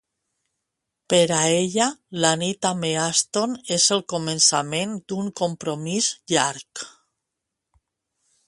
Per a ella, la nit amb Easton és el començament d'un compromís llarg.